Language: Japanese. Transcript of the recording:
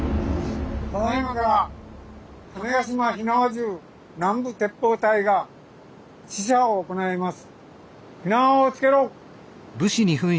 ただいまから種子島火縄銃南部鉄砲隊が試射を行います。